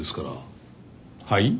はい？